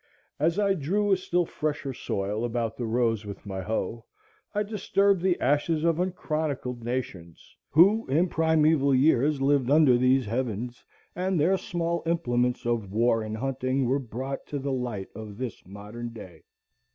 As I drew a still fresher soil about the rows with my hoe, I disturbed the ashes of unchronicled nations who in primeval years lived under these heavens, and their small implements of war and hunting were brought to the light of this modern day.